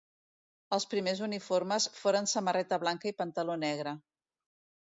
Els primers uniformes foren samarreta blanca i pantaló negre.